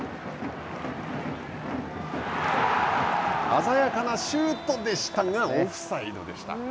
鮮やかなシュートでしたが、オフサイドでした。